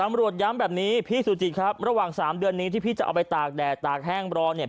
ตำรวจย้ำแบบนี้พี่สุจิตครับระหว่างสามเดือนนี้ที่พี่จะเอาไปตากแดดตากแห้งรอเนี่ย